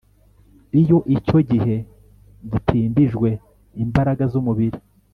Iyo icyo gihe gitindijwe imbaraga zumubiri